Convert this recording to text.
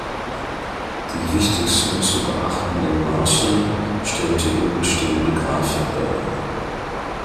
Die wichtigsten zu beachtenden Maße stellt die untenstehende Grafik dar.